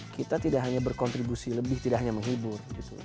kita tidak hanya berkontribusi lebih tidak hanya menghibur